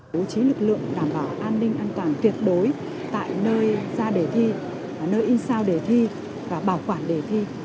đối chí lực lượng đảm bảo an ninh an toàn tuyệt đối tại nơi ra đề thi nơi in sao đề thi và bảo quản đề thi